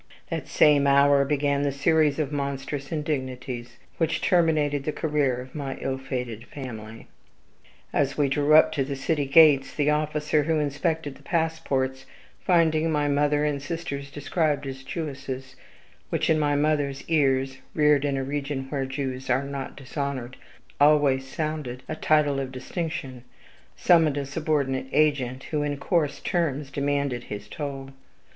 That same hour began the series of monstrous indignities which terminated the career of my ill fated family. As we drew up to the city gates, the officer who inspected the passports, finding my mother and sisters described as Jewesses, which in my mother's ears (reared in a region where Jews are not dishonored) always sounded a title of distinction, summoned a subordinate agent, who in coarse terms demanded his toll.